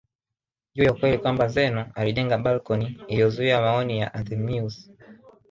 juu ya ukweli kwamba Zeno alijenga balcony iliyozuia maoni ya Anthemius